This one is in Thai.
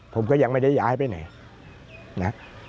ผมก็ยังไม่ได้ย้ายไปไหนนะ